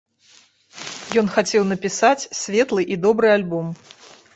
Ён хацеў напісаць светлы і добры альбом.